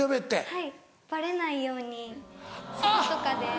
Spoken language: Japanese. はいバレないように外とかで。